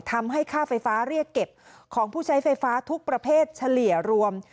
ทำให้ค่าไฟฟ้าเรียกเก็บของผู้ใช้ไฟฟ้าทุกประเภทเฉลี่ยรวม